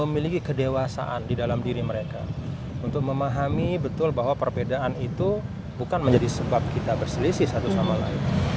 memiliki kedewasaan di dalam diri mereka untuk memahami betul bahwa perbedaan itu bukan menjadi sebab kita berselisih satu sama lain